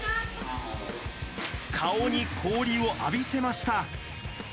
顔に氷を浴びせました。